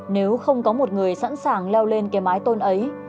nếu không có một người sẵn sàng leo lên cái mái tôn ấy